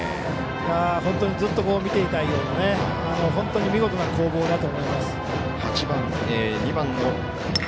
本当にずっと見ていたいような見事な攻防だと思います。